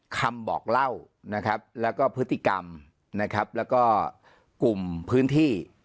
คำบอกเล่าแล้วก็พฤติกรรมแล้วก็กลุ่มพื้นที่